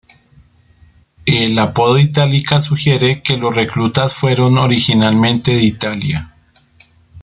El apodo Itálica sugiere que los reclutas fueron originalmente de Italia.